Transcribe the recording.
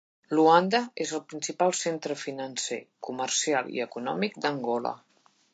Luanda és el principal centre financer, comercial i econòmic d'Angola.